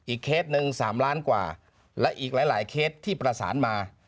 เคสหนึ่ง๓ล้านกว่าและอีกหลายเคสที่ประสานมา